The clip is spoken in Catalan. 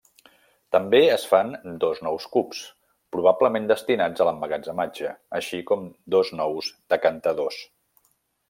També es fan dos nous cups, probablement destinats a l'emmagatzematge, així com dos nous decantadors.